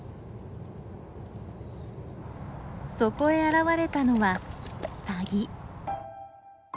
そこへ現れたのはサギ。